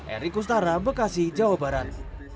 erik kustara bekasi jawa barat